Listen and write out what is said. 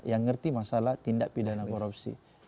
yang ngerti masalah tindak pidana korupsi